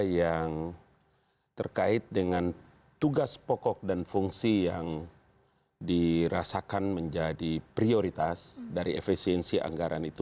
yang terkait dengan tugas pokok dan fungsi yang dirasakan menjadi prioritas dari efisiensi anggaran itu